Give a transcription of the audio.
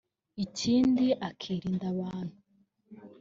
Ikindi akirinda abantu